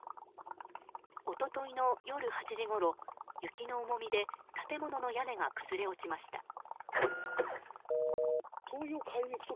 一昨日の夜８時ごろ雪の重みで建物の屋根が崩れ落ちました。